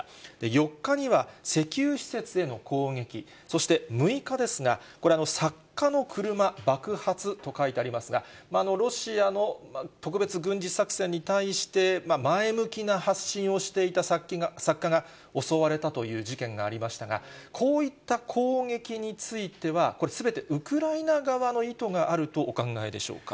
４日には、石油施設への攻撃、そして６日ですが、これ、作家の車爆発と書いてありますが、ロシアの特別軍事作戦に対して、前向きな発信をしていた作家が襲われたという事件がありましたが、こういった攻撃については、これ、すべてウクライナ側の意図があるとお考えでしょうか。